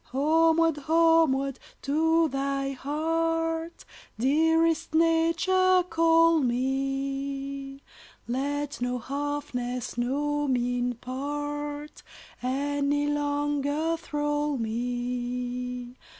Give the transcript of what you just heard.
Homeward, homeward to thy heart, Dearest Nature, call me; Let no halfness, no mean part, Any longer thrall me!